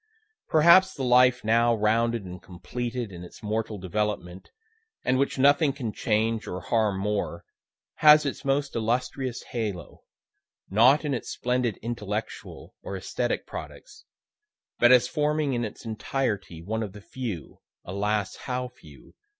Perhaps the life now rounded and completed in its mortal development, and which nothing can change or harm more, has its most illustrious halo, not in its splendid intellectual or esthetic products, but as forming in its entirety one of the few (alas! how few!)